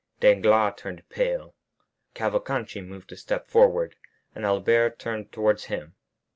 Danglars turned pale; Cavalcanti moved a step forward, and Albert turned towards him.